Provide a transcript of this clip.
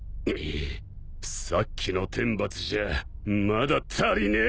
さっきの天罰じゃまだ足りねえか！